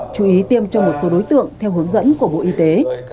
chú ý tiêm cho một số đối tượng theo hướng dẫn của bộ y tế